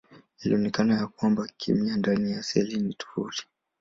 Ilionekana ya kwamba kemia ndani ya seli ni tofauti.